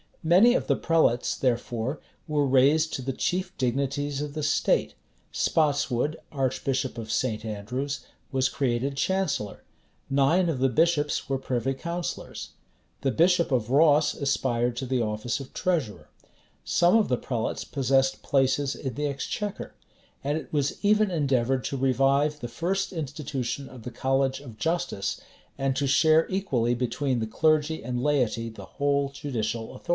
Many of the prelates, therefore, were raised to the chief dignities of the state;[*] Spotswood, archbishop of St. Andrews, was created chancellor: nine of the bishops were privy councillors: the bishop of Ross aspired to the office of treasurer: some of the prelates possessed places in the exchequer: and it was even endeavored to revive the first institution of the college of justice, and to share equally between the clergy and laity the whole judicial authority.